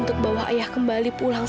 untuk bawa ayah kembali pulang